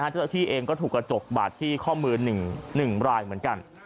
เจ้าหน้าที่เองก็ถูกกระจกบาดที่ข้อมือ๑รายเหมือนกัน